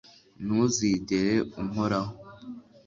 ntuzigere unkoraho